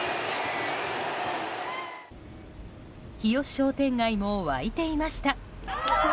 日吉商店街も沸いていました。